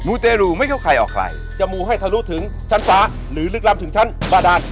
มูเตรียมไม่เข้าใครออกไข่จะมูให้เธอรู้ถึงชั้นฟ้าหรือลึกลำถึงชั้นบ้าดาด